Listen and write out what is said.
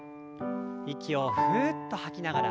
息をふうっと吐きながら。